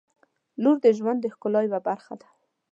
• لور د ژوند د ښکلا یوه برخه ده.